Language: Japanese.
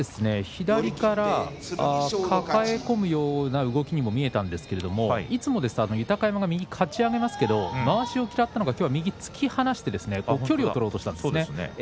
左から抱え込むような動きにも見えたんですがいつもですと豊山が右かち上げますがまわしを嫌ったのか今日は突き放して距離を取ろうとしました。